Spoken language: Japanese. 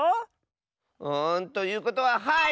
んということははい！